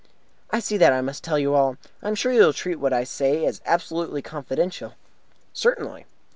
"I see that I must tell you all. I am sure you will treat what I say as absolutely confidential." "Certainly."